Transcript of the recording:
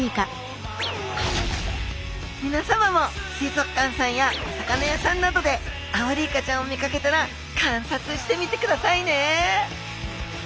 みなさまも水族館さんやお魚屋さんなどでアオリイカちゃんを見かけたら観察してみてくださいね！